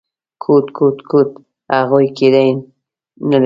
_کوټ، کوټ، کوټ… هغوی ګېډې نه لري!